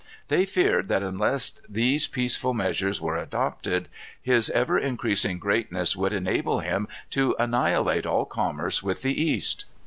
They feared that unless these peaceful measures were adopted, his ever increasing greatness would enable him to annihilate all commerce with the East.